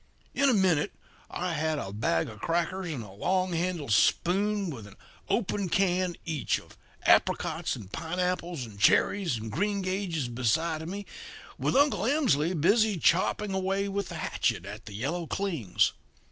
In a minute I had a bag of crackers and a long handled spoon, with an open can each of apricots and pineapples and cherries and greengages beside of me with Uncle Emsley busy chopping away with the hatchet at the yellow clings.